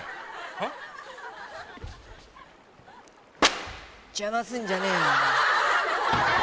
うんっ？邪魔すんじゃねえよお前。